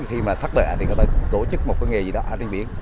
khi mà thất lệ thì người ta tổ chức một cái nghề gì đó trên biển